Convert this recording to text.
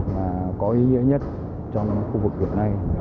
mà có ý nghĩa nhất trong khu vực hiện nay